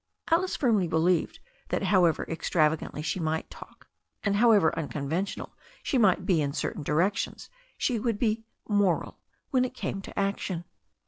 Alice firmly believed that how ever extravagantly she might talk, and however unconven tional she might be in certain directions, she would be "moral" when it came to action.